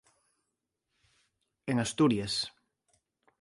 En Asturias.